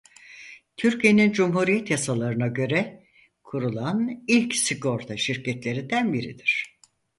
Türkiye'nin cumhuriyet yasalarına göre kurulan ilk sigorta şirketlerinden biridir.